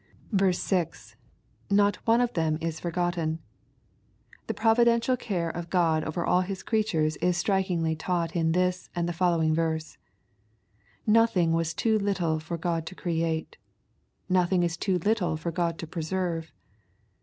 G. — [Not one of them is forgotten.] The providential care of Q od over all His creatures is strikingly taught in this and the following verse. Nothing was too litfle for God to create. Nothing is too little for God to preserve.